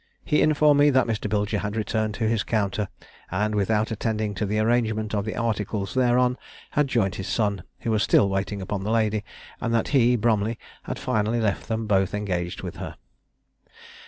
He informed me that Mr. Bilger had returned to his counter, and, without attending to the arrangement of the articles thereon, had joined his son, who was still waiting upon the lady, and that he, Bromley, had finally left them both engaged with her."